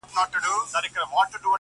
چي تلو تلو کي معنا ستا د کتو اوړي,